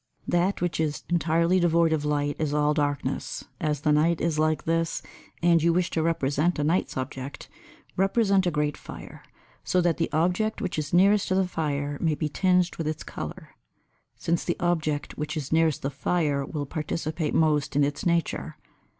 That which is entirely devoid of light is all darkness; as the night is like this and you wish to represent a night subject, represent a great fire, so that the object which is nearest to the fire may be tinged with its colour, since the object which is nearest the fire will participate most in its nature.